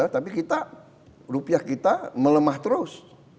tapi kita rupiah kita melemah terus